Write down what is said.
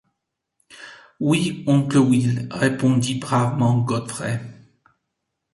Oui, oncle Will, répondit bravement Godfrey.